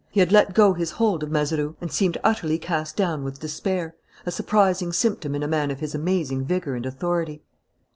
He had let go his hold of Mazeroux and seemed utterly cast down with despair, a surprising symptom in a man of his amazing vigour and authority.